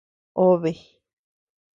Obe.